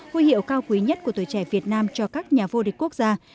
huy hiệu cao quý nhất của tuổi trẻ việt nam cho các nhà vô địch quốc gia